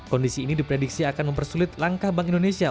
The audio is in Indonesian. kondisi ini diprediksi akan mempersulit langkah bank indonesia